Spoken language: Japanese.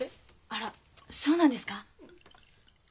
あらそうなんですか？